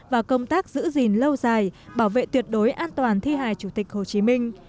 và công tác giữ gìn lâu dài bảo vệ tuyệt đối an toàn thi hài chủ tịch hồ chí minh